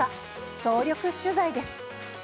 総力取材です。